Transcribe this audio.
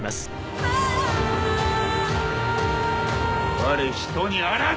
「我人にあらず！」